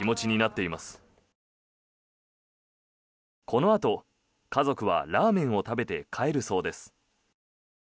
このあと家族はラーメンを食べて帰るそうです。